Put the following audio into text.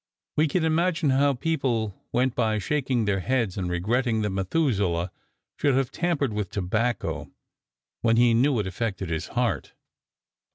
We can imagine how people went by shaking their heads and regretting that Methuselah should have tampered with tobacco when he knew it affected his heart.